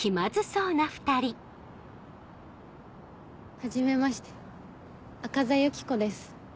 はじめまして赤座ユキコです。